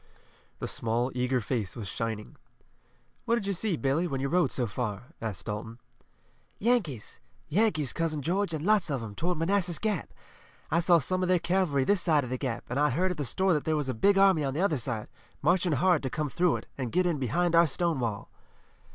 The small, eager face was shining. "What did you see, Billy, when you rode so far?" asked Dalton. "Yankees! Yankees, Cousin George, and lots of 'em, toward Manassas Gap! I saw some of their cavalry this side of the Gap, and I heard at the store that there was a big army on the other side, marching hard to come through it, and get in behind our Stonewall."